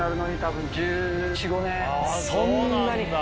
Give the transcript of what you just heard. そんなに！